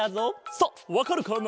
さあわかるかな？